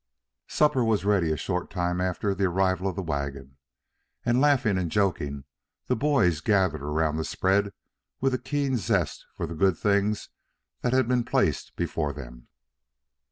Supper was ready a short time after the arrival of the wagon, and, laughing and joking, the boys gathered about the spread with a keen zest for the good things that had been placed before them.